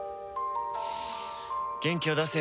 元気を出せ。